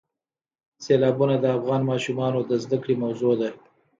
سیلابونه د افغان ماشومانو د زده کړې موضوع ده.